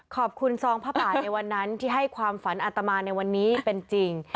ซองผ้าป่าในวันนั้นที่ให้ความฝันอัตมาในวันนี้เป็นจริง